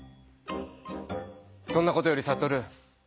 そんなことよりサトル。